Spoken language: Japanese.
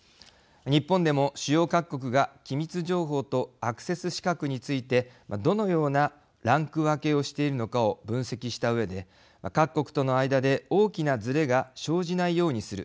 日本でも、主要各国が機密情報とアクセス資格についてどのようなランク分けをしているのかを分析したうえで各国との間で大きなずれが生じないようにする。